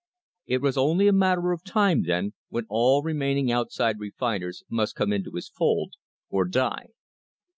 It was only a matter of time, then, when all remaining outside refiners must come into his fold or die.